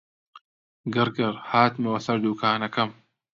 گڕگڕ هاتمەوە سەر دووکانەکەم